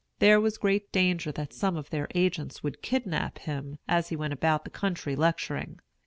There was great danger that some of their agents would kidnap him as he went about the country lecturing.